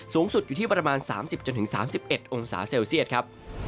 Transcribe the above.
สูงสุดอยู่ที่ประมาณ๓๐๓๑องศาเซลเซียตครับ